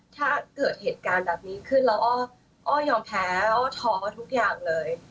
ถ้าเกิดเหตุการณ์แบบนี้ขึ้นแล้วอ้อยอมแพ้อ้อทุกอย่างเลย